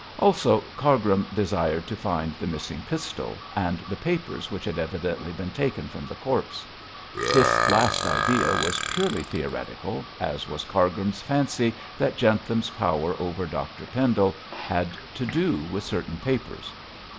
Also Cargrim desired to find the missing pistol, and the papers which had evidently been taken from the corpse. This last idea was purely theoretical, as was Cargrim's fancy that Jentham's power over Dr Pendle had to do with certain papers.